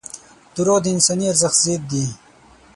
• دروغ د انساني ارزښت ضد دي.